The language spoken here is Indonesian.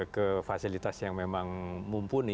ke fasilitas yang memang mumpuni